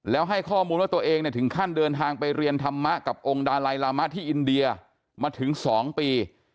แล้วให้ข้อมูลว่าตัวเองเนี่ยถึงขั้นเดินทางไปเรียนธรรมะกับองค์ดาลัยลามะที่อินเดียมาถึง๒ปี